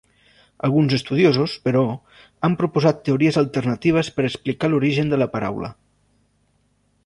Alguns estudiosos, però, han proposat teories alternatives per explicar l'origen de la paraula.